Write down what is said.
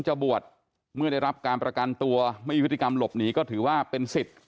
จะบวชเมื่อได้รับการประกันตัวไม่มีพฤติกรรมหลบหนีก็ถือว่าเป็นสิทธิ์